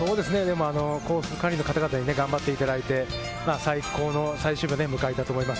コース管理の方々に頑張っていただいて、最高の最終日を迎えたと思います。